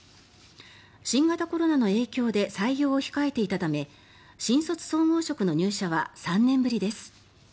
新型コロナの影響で採用を控えていたため新卒総合職の入社は３年ぶりです。